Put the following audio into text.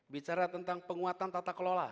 bicara tentang penguatan tata kelola